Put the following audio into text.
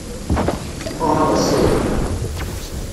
Fɣeɣ ass-agi.